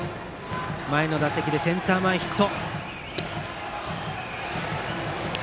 前の打席でセンター前ヒット。